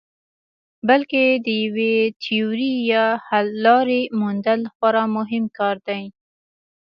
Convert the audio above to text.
بلکې د یوې تیورۍ یا حللارې موندل خورا مهم کار دی.